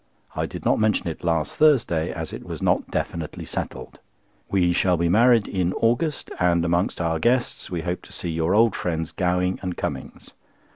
I did not mention it last Thursday, as it was not definitely settled. We shall be married in August, and amongst our guests we hope to see your old friends Gowing and Cummings.